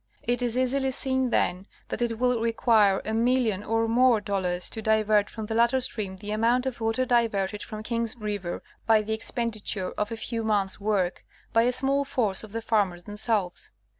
It is easily seen, then, that it will require a million or more dollars to divert from the latter sti'eam the amount of water diverted from Irrigation in California. 283 King's river by the expenditure of a few months' work, by a small force of the farmers themselves.